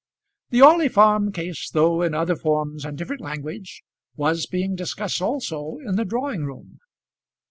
The Orley Farm Case, though in other forms and different language, was being discussed also in the drawing room.